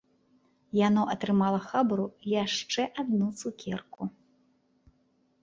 Яно атрымала хабару яшчэ адну цукерку.